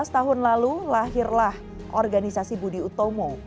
satu ratus lima belas tahun lalu lahirlah organisasi budi utomo